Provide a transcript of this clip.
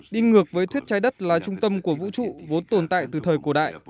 đi ngược với thuyết trái đất là trung tâm của vũ trụ vốn tồn tại từ thời cổ đại